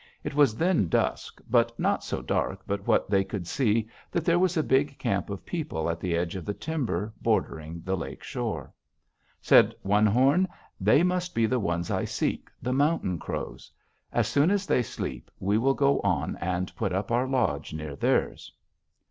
It was then dusk, but not so dark but what they could see that there was a big camp of people at the edge of the timber bordering the lake shore. Said One Horn, 'They must be the ones I seek, the Mountain Crows. As soon as they sleep, we will go on and put up our lodge near theirs.'